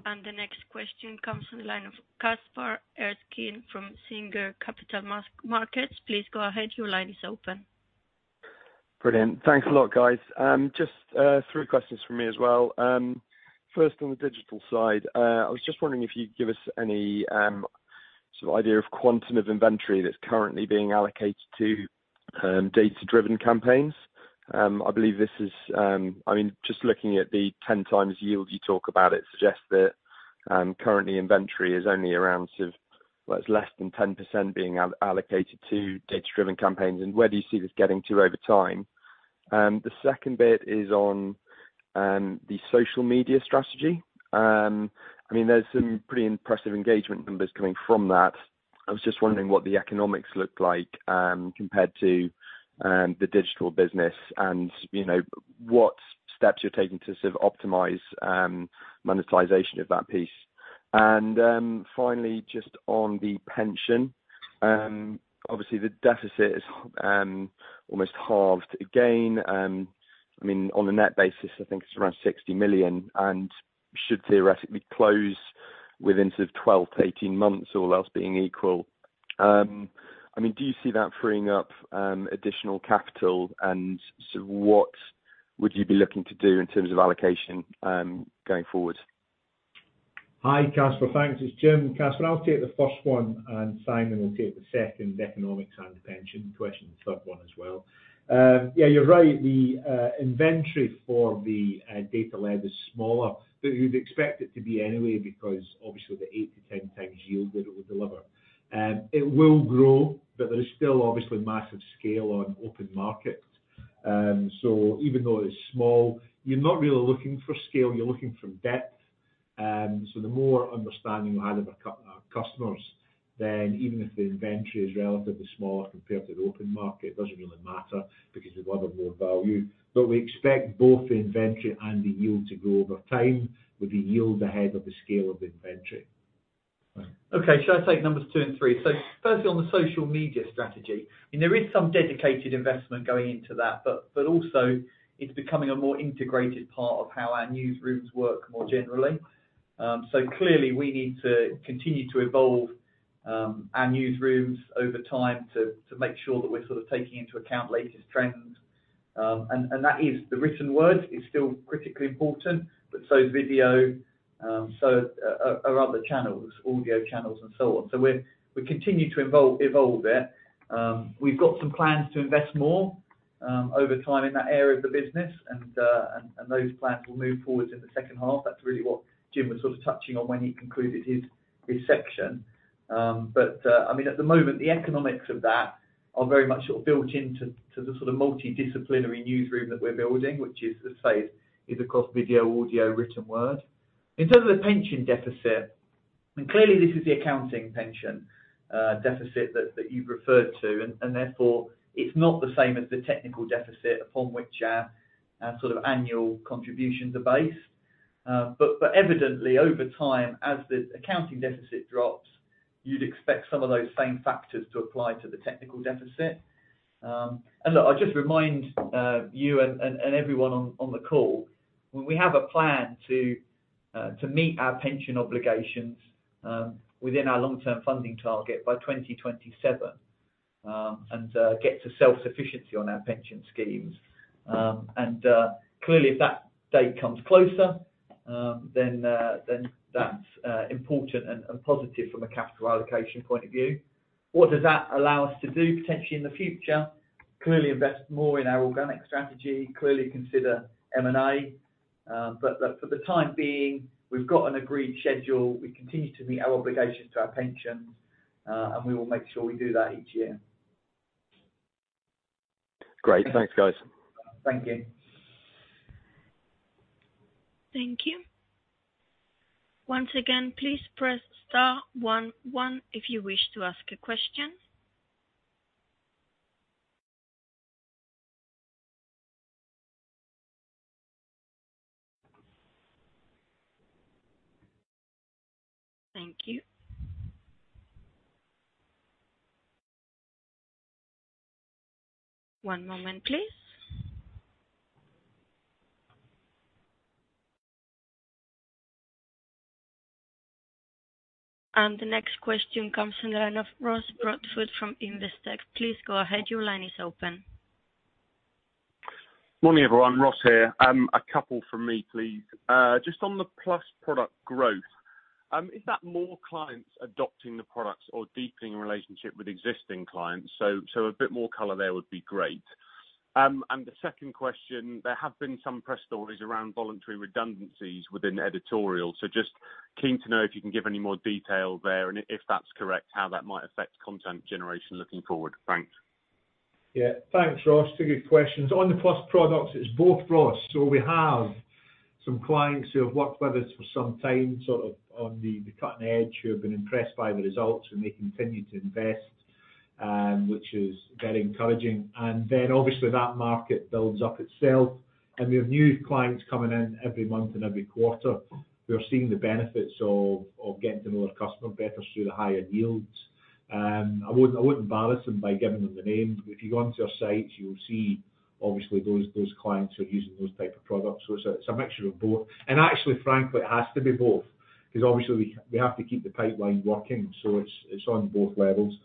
The next question comes from the line of Caspar Erskine from Singer Capital Markets. Please go ahead. Your line is open. Brilliant. Thanks a lot guys. Just three questions from me as well. First on the digital side, I was just wondering if you could give us any sort of idea of quantum of inventory that's currently being allocated to data driven campaigns. I believe this is, I mean, just looking at the 10 times yield you talk about, it suggests that currently inventory is only around sort of, well, it's less than 10% being allocated to data driven campaigns. Where do you see this getting to over time? The second bit is on the social media strategy. I mean, there's some pretty impressive engagement numbers coming from that. I was just wondering what the economics look like, compared to the digital business and, you know, what steps you're taking to sort of optimize monetization of that piece. Finally, just on the pension, obviously the deficit is almost halved again. I mean, on a net basis, I think it's around 60 million and should theoretically close within sort of 12-18 months, all else being equal. I mean, do you see that freeing up additional capital? What would you be looking to do in terms of allocation going forward? Hi, Caspar. Thanks. It's Jim. Caspar, I'll take the first one, and Simon will take the second economics and pension question, the third one as well. Yeah, you're right. The inventory for the data lab is smaller, but you'd expect it to be anyway because obviously the 8-10 times yield that it will deliver. It will grow, but there is still obviously massive scale on open market. So even though it's small, you're not really looking for scale, you're looking for depth. So the more understanding you have of our customers, then even if the inventory is relatively smaller compared to the open market, it doesn't really matter because we've offered more value. But we expect both the inventory and the yield to grow over time, with the yield ahead of the scale of inventory. Okay, shall I take numbers two and three? Firstly on the social media strategy, I mean there is some dedicated investment going into that, but also it's becoming a more integrated part of how our newsrooms work more generally. Clearly we need to continue to evolve our newsrooms over time to make sure that we're sort of taking into account latest trends. That is the written word is still critically important, but so is video, so are other channels, audio channels and so on. We continue to evolve it. We've got some plans to invest more over time in that area of the business. Those plans will move forward in the second half. That's really what Jim was sort of touching on when he concluded his section. I mean, at the moment, the economics of that are very much sort of built into the sort of multidisciplinary newsroom that we're building, which is, as I say, across video, audio, written word. In terms of the pension deficit, I mean, clearly this is the accounting pension deficit that you've referred to, and therefore it's not the same as the technical deficit upon which our sort of annual contributions are based. But evidently over time, as the accounting deficit drops, you'd expect some of those same factors to apply to the technical deficit. Look, I'll just remind you and everyone on the call, when we have a plan to meet our pension obligations within our long-term funding target by 2027 and get to self-sufficiency on our pension schemes. Clearly if that date comes closer, then that's important and positive from a capital allocation point of view. What does that allow us to do potentially in the future? Clearly invest more in our organic strategy, clearly consider M&A. For the time being, we've got an agreed schedule. We continue to meet our obligations to our pensions and we will make sure we do that each year. Great. Thanks guys. Thank you. Thank you. Once again, please press star one one if you wish to ask a question. Thank you. One moment, please. The next question comes from the line of Ross Broadfoot from Investec. Please go ahead. Your line is open. Morning, everyone. Ross here. A couple from me, please. Just on the Plus product growth, is that more clients adopting the products or deepening relationship with existing clients? A bit more color there would be great. The second question, there have been some press stories around voluntary redundancies within editorial. Just keen to know if you can give any more detail there, and if that's correct, how that might affect content generation looking forward. Thanks. Yeah. Thanks Ross. Two good questions. On the Plus products, it's both, Ross. We have some clients who have worked with us for some time, sort of on the cutting edge, who have been impressed by the results, and they continue to invest, which is very encouraging. Obviously, that market builds up itself, and we have new clients coming in every month and every quarter. We are seeing the benefits of getting to know our customer better through the higher yields. I wouldn't embarrass them by giving them the name. If you go onto our site, you will see, obviously, those clients who are using those type of products. It's a mixture of both. Actually, frankly, it has to be both 'cause obviously we have to keep the pipeline working, so it's on both levels.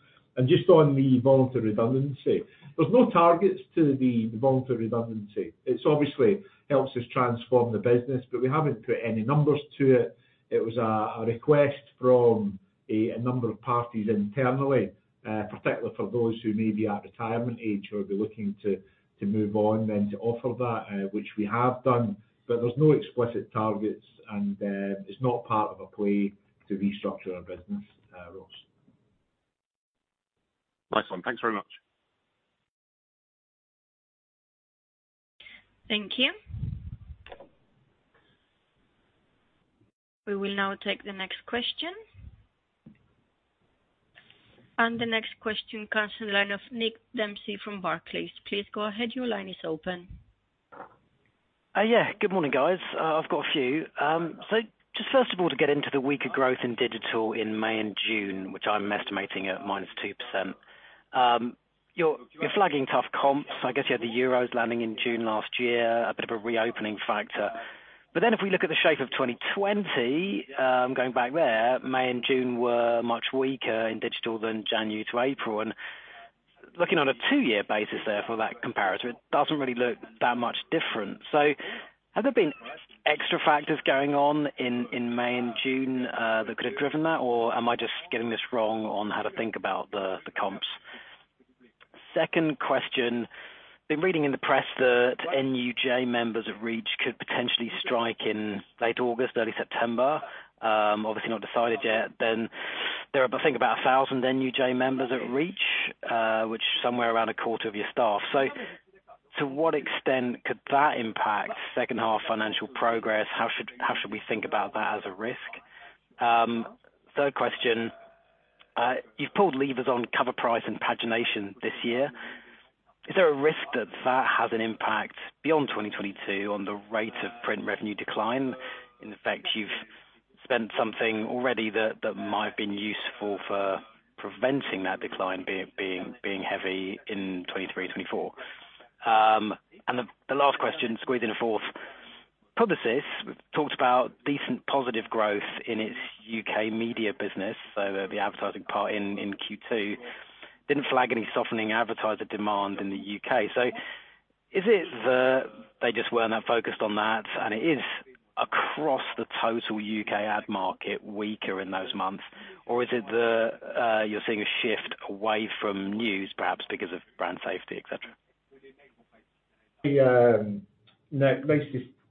Just on the voluntary redundancy, there's no targets to the voluntary redundancy. It's obviously helps us transform the business, but we haven't put any numbers to it. It was a request from a number of parties internally, particularly for those who may be at retirement age or be looking to move on, then to offer that, which we have done. There's no explicit targets, and it's not part of a play to restructure our business, Ross. Nice one. Thanks very much. Thank you. We will now take the next question. The next question comes on the line of Nick Dempsey from Barclays. Please go ahead. Your line is open. Good morning, guys. I've got a few. Just first of all, to get into the weaker growth in digital in May and June, which I'm estimating at -2%. You're flagging tough comps. I guess you had the Euros landing in June last year, a bit of a reopening factor. If we look at the shape of 2020, going back there, May and June were much weaker in digital than January to April. Looking on a two-year basis there for that comparator, it doesn't really look that much different. Have there been extra factors going on in May and June that could have driven that, or am I just getting this wrong on how to think about the comps? Second question, been reading in the press that NUJ members at Reach could potentially strike in late August, early September. Obviously not decided yet. There are, I think, about 1,000 NUJ members at Reach, which is somewhere around a quarter of your staff. To what extent could that impact second half financial progress? How should we think about that as a risk? Third question. You've pulled levers on cover price and pagination this year. Is there a risk that that has an impact beyond 2022 on the rate of print revenue decline? In effect, you've spent something already that might have been useful for preventing that decline being heavy in 2023, 2024. The last question, squeezing a fourth. Publicis talked about decent positive growth in its U.K. media business, so the advertising part in Q2. Didn't flag any softening advertiser demand in the U.K. Is it they just weren't that focused on that, and it is across the total U.K. ad market weaker in those months? Or is it you're seeing a shift away from news perhaps because of brand safety, et cetera? Yeah. Nick nice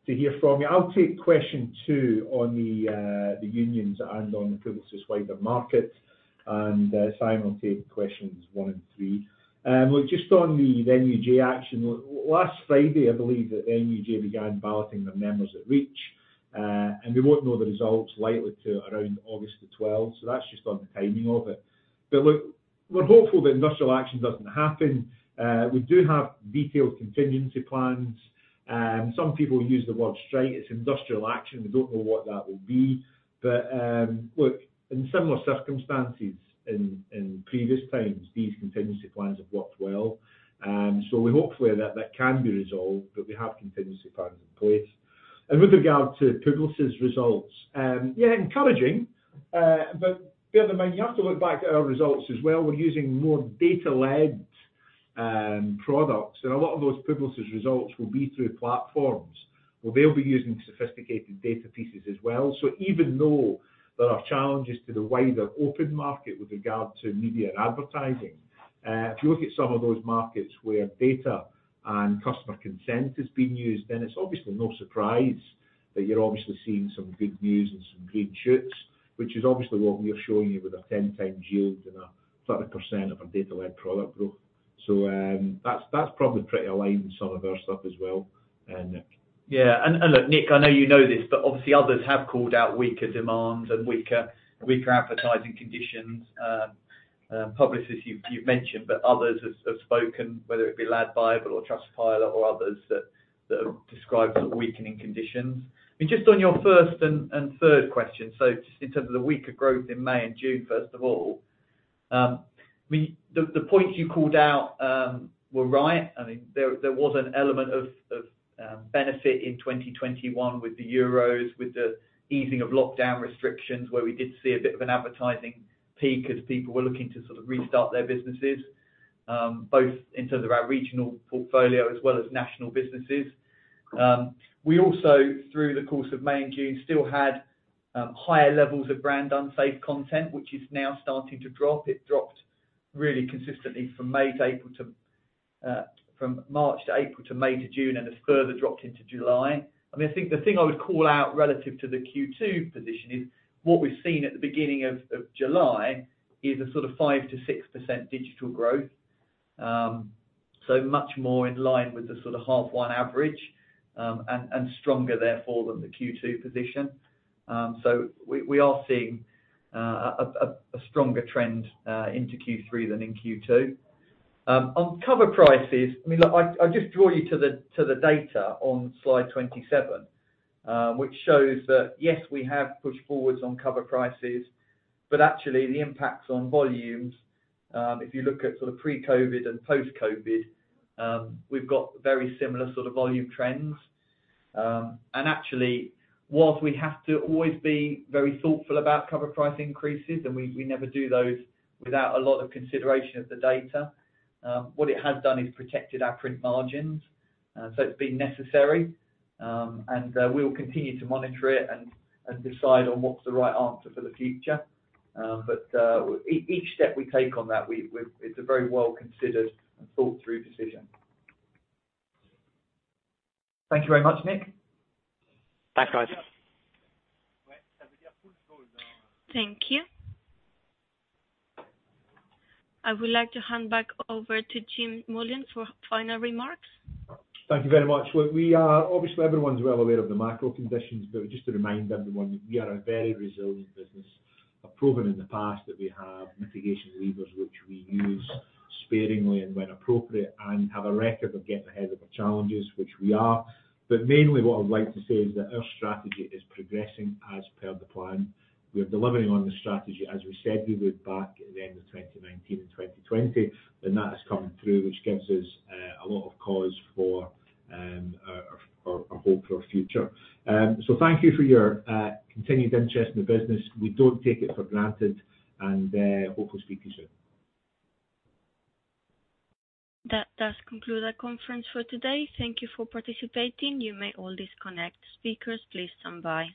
to hear from you. I'll take question three on the unions and on Publicis wider market. Simon will take questions one and three. Well, just on the NUJ action, last Friday, I believe that NUJ began balloting their members at Reach. We won't know the results likely till around August 12. That's just on the timing of it. Look, we're hopeful that industrial action doesn't happen. We do have detailed contingency plans. Some people use the word strike. It's industrial action. We don't know what that will be. Look, in similar circumstances in previous times, these contingency plans have worked well. We hope that that can be resolved, but we have contingency plans in place. With regard to Publicis results, yeah, encouraging. Bear in mind, you have to look back at our results as well. We're using more data-led products, and a lot of those Publicis results will be through platforms, where they'll be using sophisticated data pieces as well. Even though there are challenges to the wider open market with regard to media and advertising, if you look at some of those markets where data and customer consent is being used, then it's obviously no surprise that you're obviously seeing some good news and some green shoots, which is obviously what we are showing you with a 10x yield and a 30% of our data-led product growth. That's probably pretty aligned with some of our stuff as well, Nick. Yeah. Look Nick, I know you know this, but obviously others have called out weaker demands and weaker advertising conditions. Publicis, you've mentioned, but others have spoken, whether it be LADbible or Trustpilot or others that have described the weakening conditions. I mean, just on your first and third question, just in terms of the weaker growth in May and June, first of all, the points you called out were right. I mean, there was an element of benefit in 2021 with the Euros, with the easing of lockdown restrictions, where we did see a bit of an advertising peak as people were looking to sort of restart their businesses, both in terms of our regional portfolio as well as national businesses. We also, through the course of May and June, still had higher levels of brand unsafe content, which is now starting to drop. It dropped really consistently from March to April to May to June, and has further dropped into July. I mean, I think the thing I would call out relative to the Q2 position is what we've seen at the beginning of July is a sort of 5%-6% digital growth. Much more in line with the sort of half one average, and stronger therefore than the Q2 position. We are seeing a stronger trend into Q3 than in Q2. On cover prices, I mean, look, I just draw you to the data on slide 27, which shows that yes, we have pushed forwards on cover prices, but actually the impacts on volumes, if you look at sort of pre-COVID and post-COVID, we've got very similar sort of volume trends. Actually, while we have to always be very thoughtful about cover price increases, and we never do those without a lot of consideration of the data, what it has done is protected our print margins. It's been necessary, and we will continue to monitor it and decide on what's the right answer for the future. Each step we take on that, it's a very well-considered and thought-through decision. Thank you very much, Nick. Thanks guys. Thank you. I would like to hand back over to Jim Mullen for final remarks. Thank you very much. Well, obviously, everyone's well aware of the macro conditions, but just to remind everyone that we are a very resilient business. We've proven in the past that we have mitigation levers which we use sparingly and when appropriate, and have a record of getting ahead of the challenges, which we are. Mainly what I'd like to say is that our strategy is progressing as per the plan. We're delivering on the strategy as we said we would back at the end of 2019 and 2020, and that has come through, which gives us a lot of cause for our hope for our future. So thank you for your continued interest in the business. We don't take it for granted, and hope to speak to you soon. That does conclude our conference for today. Thank you for participating. You may all disconnect. Speakers, please stand by.